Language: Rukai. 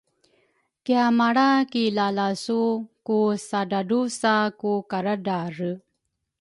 kiamalra ki lalasu ku sa dradrusa ku karadrale.